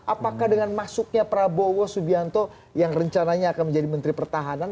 apakah dengan masuknya prabowo subianto yang rencananya akan menjadi menteri pertahanan